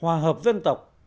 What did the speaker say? hòa hợp dân tộc